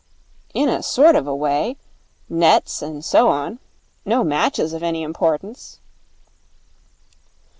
'In a sort of a way. Nets and so on. No matches of any importance.'